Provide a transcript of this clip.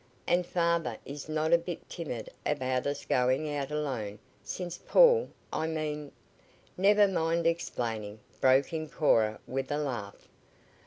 And father is not a bit timid about us going out alone since Paul I mean " "Never mind explaining," broke in Cora with a laugh.